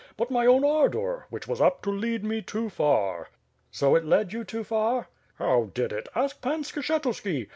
— ^but my own ardor, which was apt to lead me too far." "So it led you too far?" "How did it? Ask Pan Skshetuski.